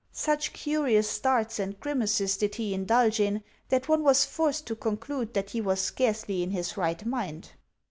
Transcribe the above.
Such curious starts and grimaces did he indulge in that one was forced to conclude that he was scarcely in his right mind.